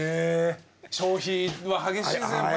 消費は激しいですねやっぱね。